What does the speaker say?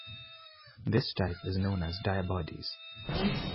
This type is known as "diabodies".